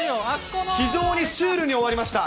非常にシュールに終わりました。